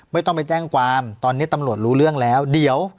ไม่ต้องไปแจ้งความตอนนี้ตำรวจรู้เรื่องแล้วเดี๋ยว